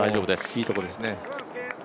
いいところですね。